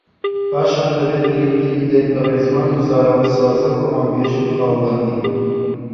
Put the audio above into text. پاشان دەبێت گرنگی بدەیت بە ڕێزمان و زاراوەسازی و ڕەوانبێژی و خاڵبەندی